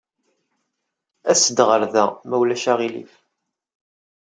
As-d ɣer da, ma ulac aɣilif.